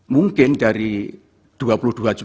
mungkin dari dua puluh dua juta kepala keluarga ini